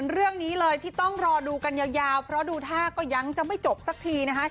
เรื่องนี้เลยที่ต้องรอดูกันยาวเพราะดูท่าก็ยังจะไม่จบสักทีนะคะ